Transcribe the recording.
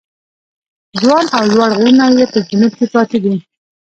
ځوان او لوړ غرونه یې په جنوب کې پراته دي.